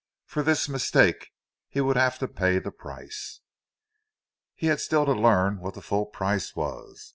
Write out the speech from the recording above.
For this mistake he would have to pay the price. He had still to learn what the full price was.